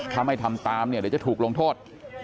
ถ้าไม่ทำตามเนี่ยเดี๋ยวจะถูกลงโทษ